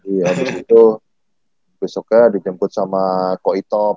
iya abis itu besoknya dijemput sama ko itop